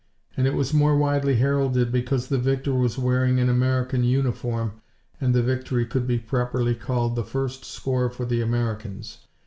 And it was more widely heralded because the victor was wearing an American uniform and the victory could be properly called the first score for the Americans.